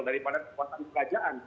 daripada kekuasaan kerajaan